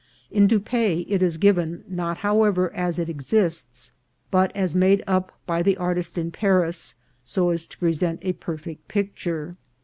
In Dupaix it is given, not, however, as it exists, but as made up by the artist in Paris, so as to present a perfect picture.